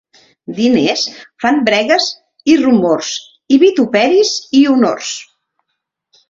Diners fan bregues i rumors i vituperis i honors.